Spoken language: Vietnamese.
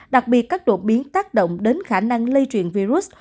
đặc biệt các đột biến tác động đến khả năng lây truyền virus